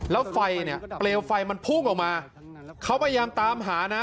แล้วไฟเนี่ยเปลวไฟมันพุ่งออกมาเขาพยายามตามหานะ